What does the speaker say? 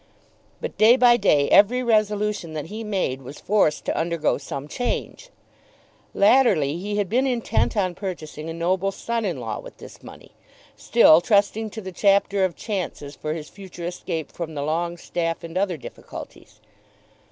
But, day by day, every resolution that he made was forced to undergo some change. Latterly he had been intent on purchasing a noble son in law with this money, still trusting to the chapter of chances for his future escape from the Longestaffe and other difficulties.